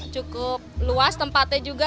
cukup luas tempatnya juga